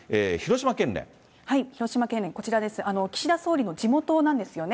広島県連、こちらです、岸田総理の地元なんですよね。